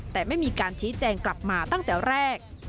แต่ไม่มีการชี้แจงกลับมาตั้งแต่แรก